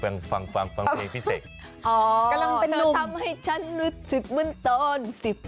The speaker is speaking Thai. อ๋อเธอทำให้ฉันรู้สึกเหมือนตอน๑๔